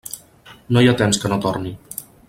No hi ha temps que no torne.